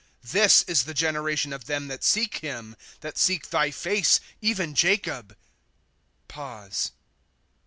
* This is the generation of them that seek him, That seek thy face, even Jacob.